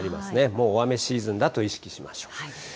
もう大雨シーズンだと意識しましょう。